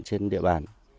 trên địa bàn